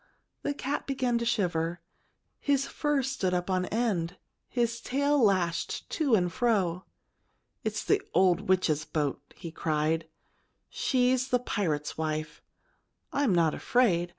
The cat began to shiver. His fur stood up on end. His tail lashed to and fro. "It's the old witch's boat!" he cried. "She's the pirate's wife. I'm not afraid!